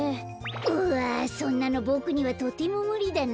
うわそんなのボクにはとてもむりだな。